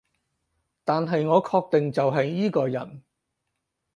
但係我確定就係依個人